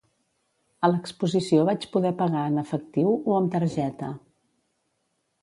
A l'exposició vaig poder pagar en efectiu o amb targeta.